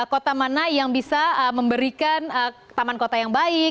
kota mana yang bisa memberikan taman kota yang baik